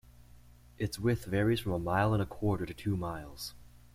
Its width varies from a mile and a quarter to two miles.